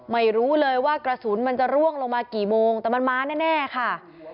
ไม่รู้เลยว่ากระสุนมันจะร่วงลงมากี่โมงแต่มันมาแน่ค่ะ